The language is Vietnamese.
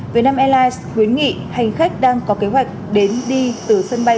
vietnam airlines khuyến nghị hành khách đang có kế hoạch đến đi từ sân bay